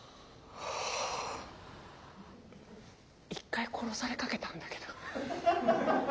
１回殺されかけたんだけど。